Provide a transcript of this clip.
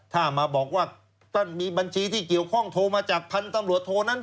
ถ้ามาบอกว่าท่านมีบัญชีที่เกี่ยวข้องโทรมาจากพันธุ์ตำรวจโทนั้น